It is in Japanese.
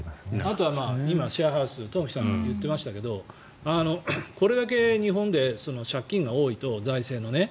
あとはシェアハウス東輝さんが言ってましたけどこれだけ日本で借金が多いと、財政のね。